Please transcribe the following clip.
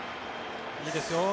いいですよ。